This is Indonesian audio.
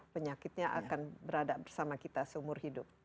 penyakitnya akan berada bersama kita seumur hidup